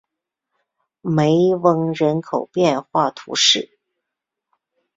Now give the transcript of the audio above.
梅翁人口变化图示